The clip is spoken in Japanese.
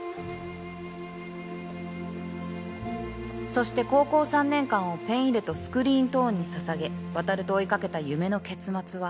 そして高校３年間をペン入れとスクリーントーンに捧げ渉と追いかけた夢の結末は